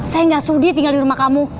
saya gak sudi tinggal dirumah kamu